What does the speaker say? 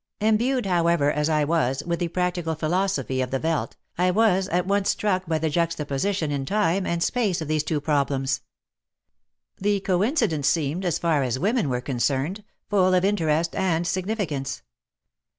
Embued, however, as I was, with the practical philosophy of the veldt, I was at once struck by the juxtaposition in time and space of these two problems. The coincidence seemed, as far as women were concerned, full of interest and significance.